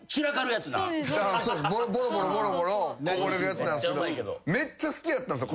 ボロボロボロボロこぼれるやつなんすけどめっちゃ好きやったんすよ